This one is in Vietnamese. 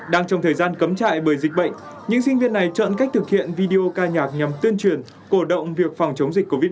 đang trong thời gian cấm chạy bởi dịch bệnh những sinh viên này chọn cách thực hiện video ca nhạc nhằm tuyên truyền cổ động việc phòng chống dịch covid một mươi chín